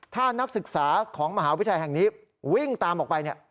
ถ้านักศึกษาของมหาวิทยาลัยแห่งนี้วิ่งตามออกไป